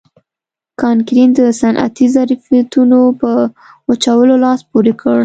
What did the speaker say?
کانکرین د صنعتي ظرفیتونو په وچولو لاس پورې کړ.